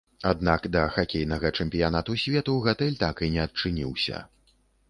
Аднак да хакейнага чэмпіянату свету гатэль так і не адчыніўся.